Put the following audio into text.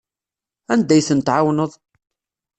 Anda ay tent-tɛawneḍ?